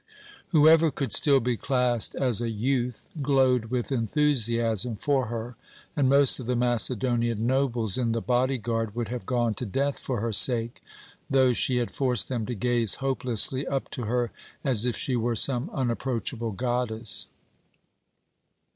Whoever could still be classed as a 'youth' glowed with enthusiasm for her, and most of the Macedonian nobles in the body guard would have gone to death for her sake, though she had forced them to gaze hopelessly up to her as if she were some unapproachable goddess.